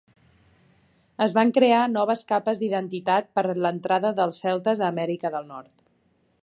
Es van crear noves capes d'identitat per l'entrada dels celtes a Amèrica del Nord.